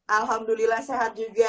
alhamdulillah sehat juga